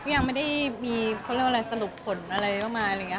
ยังไม่ได้มีอะไรสรุปผลอะไรด้วย